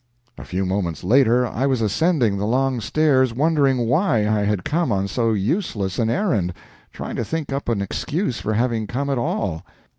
A few moments later I was ascending the long stairs, wondering why I had come on so useless an errand, trying to think up an excuse for having come at all.